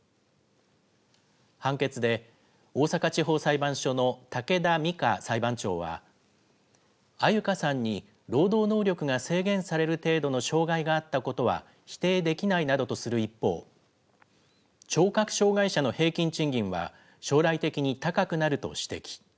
判決で、大阪地方裁判所の武田瑞佳裁判長は、安優香さんに労働能力が制限される程度の障害があったことは否定できないなどとする一方、聴覚障害者の平均賃金は将来的に高くなると指摘。